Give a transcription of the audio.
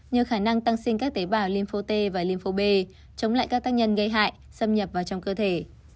như khả năng tăng sinh các tế bào lympho t và lympho b chống lại các tác nhân gây hại xâm nhập vào trong cơ thể